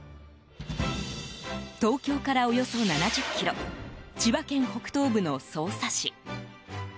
東京から、およそ７０ｋｍ千葉県北東部の匝瑳市。